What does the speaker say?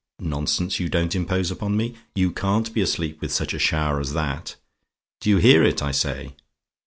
Nonsense; you don't impose upon me. You can't be asleep with such a shower as that! Do you hear it, I say?